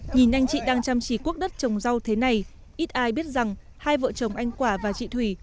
nhìn anh chị đang chăm chỉ quốc đất trồng rau thế này ít ai biết rằng hai vợ chồng anh quả và chị thủy